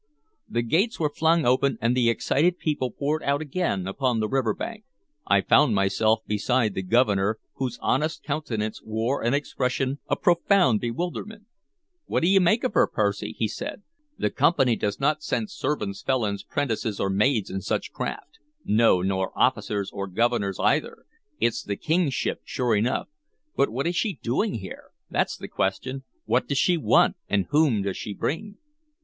The gates were flung open, and the excited people poured out again upon the river bank. I found myself beside the Governor, whose honest countenance wore an expression of profound bewilderment. "What d' ye make of her, Percy?" he said. "The Company does n't send servants, felons, 'prentices, or maids in such craft; no, nor officers or governors, either. It's the King's ship, sure enough, but what is she doing here? that 's the question. What does she want, and whom does she bring?"